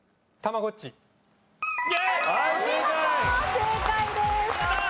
正解です。